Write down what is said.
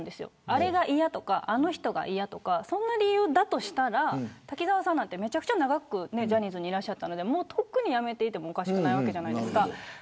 あれが嫌とか、あの人が嫌とかそんな理由だとしたら滝沢さんはめちゃくちゃ長くジャニーズにいたのでとっくに辞めていてもおかしくないじゃないですか。